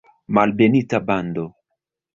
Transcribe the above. Malbenita bando!